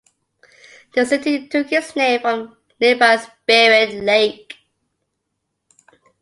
The city took its name from nearby Spirit Lake.